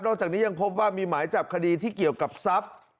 จากนี้ยังพบว่ามีหมายจับคดีที่เกี่ยวกับทรัพย์